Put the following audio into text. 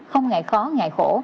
không ngại khó ngại khổ